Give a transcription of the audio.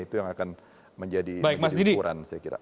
itu yang akan menjadi syukuran saya kira